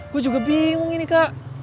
gue juga bingung ini kak